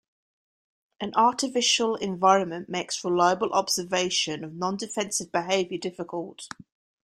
An artificial environment makes reliable observation of non-defensive behaviour difficult.